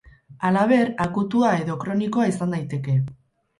Halaber, akutua edo kronikoa izan daiteke.